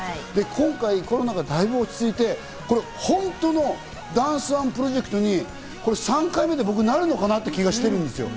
今回、コロナがだいぶ落ち着いて、本当のダンスＯＮＥプロジェクトに３回目で僕はなるのかなって気がしてるんです。